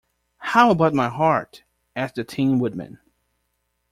How about my heart? asked the Tin Woodman.